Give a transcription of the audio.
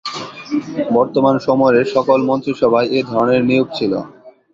বর্তমান সময়ের সকল মন্ত্রিসভায় এধরনের নিয়োগ ছিল।